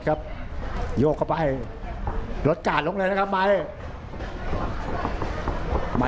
สบายสบายสบายสบายสบายสบายสบายสบายสบายสบายสบายสบายสบายสบายสบายสบายสบายสบายสบาย